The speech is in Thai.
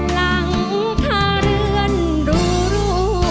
หลังถ้าเรือนรูระ